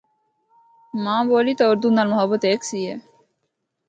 ماں بولی تے اردو نال محبت ہکسی اے۔